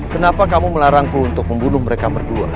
kenapa kamu melarangku untuk membunuh mereka berdua